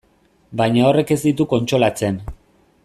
Baina horrek ez ditu kontsolatzen.